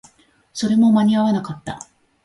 それも間に合わなかった